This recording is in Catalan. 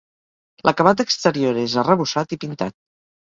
L'acabat exterior és arrebossat i pintat.